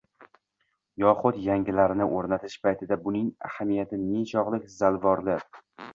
yoxud yangilarini o‘rnatish paytida buning ahamiyati nechog‘lik zalvorli